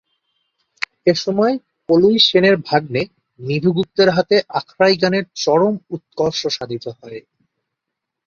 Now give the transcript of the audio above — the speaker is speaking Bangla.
এ সময় কলুই সেনের ভাগ্নে নিধু গুপ্তের হাতে আখড়াই গানের চরম উৎকর্ষ সাধিত হয়।